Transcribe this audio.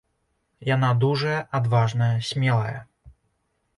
Яна дужая, адважная, смелая.